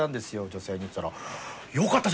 女性に」って言ったら。